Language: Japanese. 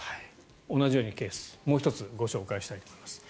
同じようなケースもう１つご紹介したいと思います。